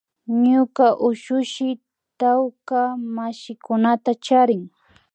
Ñuka ushushi tawka mashikunata charin